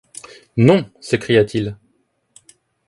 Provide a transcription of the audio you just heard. Non! s’écria-t-il.